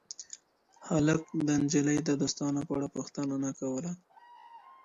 هلک د نجلۍ د دوستانو په اړه پوښتنه نه کوله.